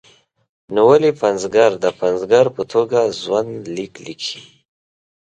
نو ولې پنځګر د پنځګر په توګه ژوند لیک لیکي.